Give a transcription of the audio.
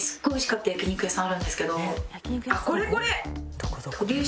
これこれ！